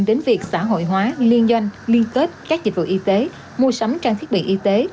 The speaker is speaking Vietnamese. đến việc xã hội hóa liên doanh liên kết các dịch vụ y tế mua sắm trang thiết bị y tế